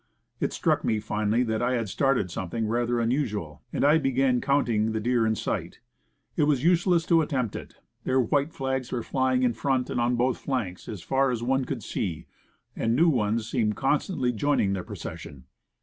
It struck me finally that I had started something rather unusual, and I began counting the deer in sight. It was useless to attempt it; their white flags were flying in front and on both flanks, as 1 26 Woodcraft. far as one could see, and new ones seemed constantly joining the procession.